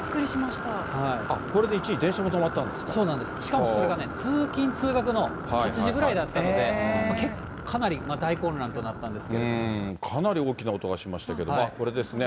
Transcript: これで一時、電車も止まったしかもそれがね、通勤・通学の８時ぐらいだったので、結構、かなり大混乱となったかなり大きな音がしましたけど、これですね。